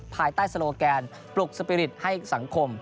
ภายใต้โลแกนปลุกสปีริตให้สังคม